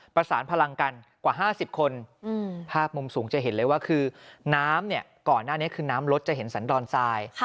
ประสานพลังกันกว่า๕๐คนภาพมุมสูงจะเห็นเลยว่าคือน้ำเนี่ยก่อนหน้านี้คือน้ำลดจะเห็นสันดอนทราย